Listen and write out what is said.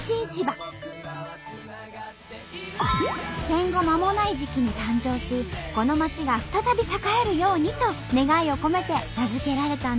戦後まもない時期に誕生しこの町が再び栄えるようにと願いを込めて名付けられたんだとか。